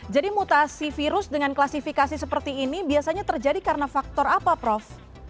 jadi mutasi virus dengan klasifikasi seperti ini biasanya terjadi karena faktor apa prof